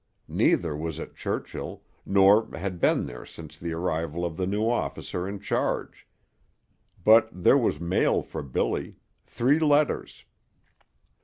Neither was at Churchill, nor had been there since the arrival of the new officer in charge. But there was mail for Billy three letters.